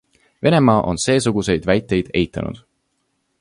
Venemaa on seesuguseid väiteid eitanud.